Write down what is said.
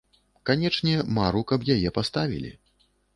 Канечне, мару, каб яе паставілі.